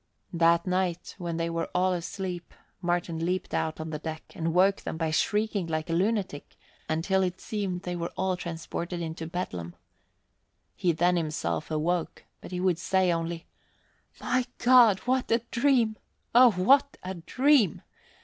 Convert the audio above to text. That night, when they were all asleep, Martin leaped out on the deck and woke them by shrieking like a lunatic, until it seemed they were all transported into Bedlam. He then himself awoke, but he would say only, "My God, what a dream! Oh, what a dream!"